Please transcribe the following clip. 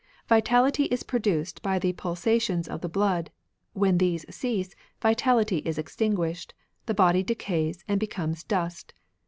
Vitality is produced by the pulsa tions of the blood ; when these cease, vitaUty is extinguished, the body decays, and becomes dust.